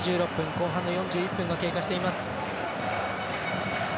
後半の４１分が経過しています。